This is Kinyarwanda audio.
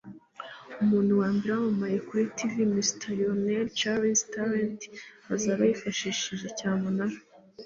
Umuntu wa mbere wamamaye kuri TV 'Mr Millionaire' Chris Tarrant azaba yifashishije cyamunara.